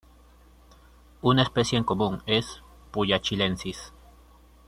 Una especie común es "Puya chilensis".